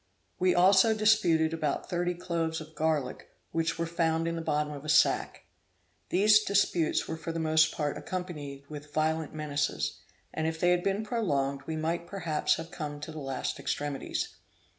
We also disputed about thirty cloves of garlic which were found in the bottom of a sack. These disputes were for the most part accompanied with violent menaces, and if they had been prolonged, we might perhaps have come to the last extremities.